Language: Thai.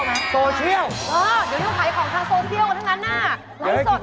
ขายของทางโซเชียลกันทั้งนั้นอ่ะ